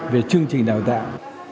về chương trình đào tạo